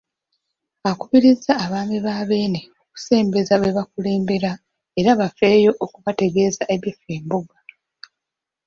Akubirizza abaami ba Beene okusembeza be bakulembera era bafeeyo okubategeeza ebifa Embuga.